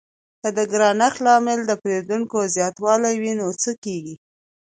که د ګرانښت لامل د پیرودونکو زیاتوالی وي نو څه کیږي؟